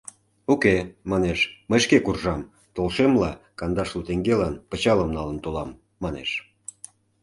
— Уке, манеш, мый шке куржам, толшемла, кандашлу теҥгелан пычалым налын толам, манеш.